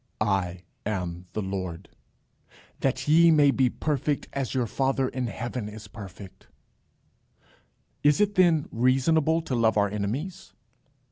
"I am the Lord," "That ye may be perfect, as your Father in heaven is perfect." Is it then reasonable to love our enemies?